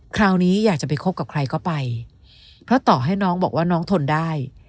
คราวนี้อยากจะไปคบกับใครก็ไปเพราะต่อให้น้องบอกว่าน้องทนได้